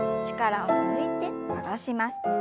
力を抜いて下ろします。